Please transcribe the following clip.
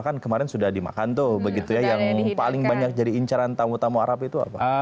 kan kemarin sudah dimakan tuh begitu ya yang paling banyak jadi incaran tamu tamu arab itu apa